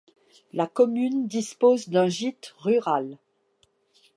La commune dispose d'un gîte rural.